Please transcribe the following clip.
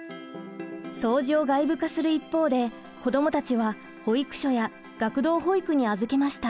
掃除を外部化する一方で子どもたちは保育所や学童保育に預けました。